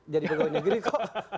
jadi pegawai negeri kok